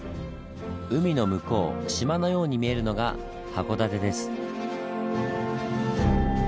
海の向こう島のように見えるのが函館です。